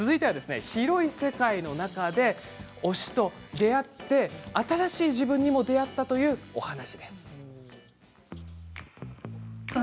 広い世界の中で推しと出会って新しい自分に出会ったというお話です。